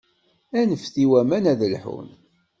Anfet i waman ad lḥun.